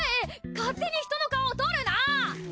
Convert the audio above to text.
勝手に人の顔を撮るな！